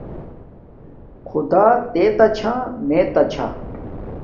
خدݳ تݵتݳ چھݳ مݵتݳ چھݳ.